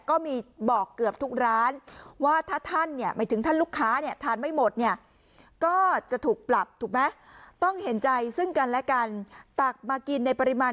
ก็มีบอกเกือบทุกร้านว่าถ้าท่านเนี่ย